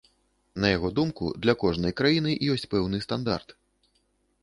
На яго думку, для кожнай краіны ёсць пэўны стандарт.